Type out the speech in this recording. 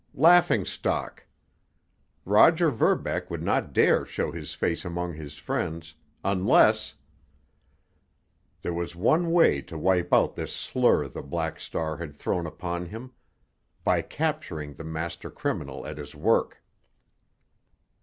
Laughingstock! Roger Verbeck would not dare show his face among his friends, unless—— There was one way to wipe out this slur the Black Star had thrown upon him—by capturing the master criminal at his work!